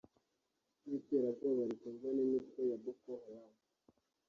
n’iterabwoba rikorwa n’imitwe ya Boko Haram